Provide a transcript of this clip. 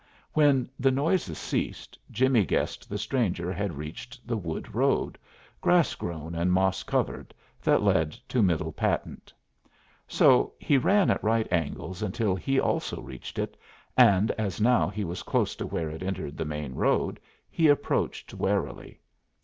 When the noises ceased, Jimmie guessed the stranger had reached the wood road, grass grown and moss covered, that led to Middle Patent. So, he ran at right angles until he also reached it, and as now he was close to where it entered the main road, he approached warily.